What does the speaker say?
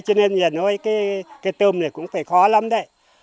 cho nên cái tôm này cũng phải khó lắm đấy